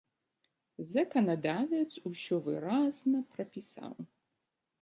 Заканадавец усё выразна прапісаў.